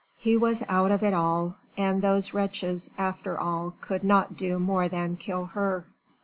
He was out of it all: and those wretches after all could not do more than kill her.